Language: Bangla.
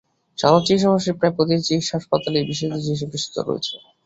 সাধারণ চিকিত্সার পাশাপাশি প্রায় প্রতিটি হাসপাতালই বিশেষায়িত চিকিত্সার বিশেষ ব্যবস্থা রয়েছে।